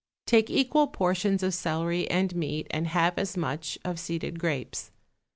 Take equal portions of celery and meat and half as much of seeded grapes.